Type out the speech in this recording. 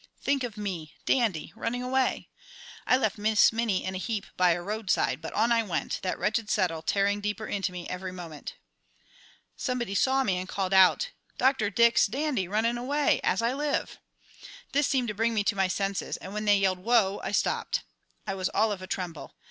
Think of me, Dandy, running away! I left Miss Minnie in a heap by a roadside, but on I went, that wretched saddle tearing deeper into me every moment. Somebody saw me, and called out: "Dr. Dick's Dandy running away, as I live!" This seemed to bring me to my senses, and when they yelled, "Whoa," I stopped. I was all of a tremble.